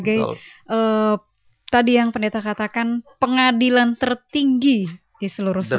jadi tadi yang pendeta katakan pengadilan tertinggi di seluruh semesta